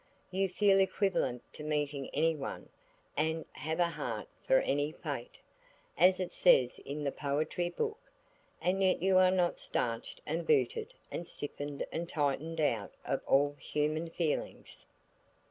You feel equivalent to meeting any one, and have "a heart for any fate," as it says in the poetry book, and yet you are not starched and booted and stiffened and tightened out of all human feelings.